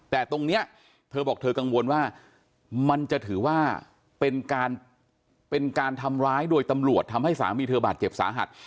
แต่ตรงนี้เธอบอกเธอกังวลว่ามันจะถือว่าเป็นการเป็นการทำร้ายโดยตำรวจทำให้สามีเธอบาดเจ็บสาหัส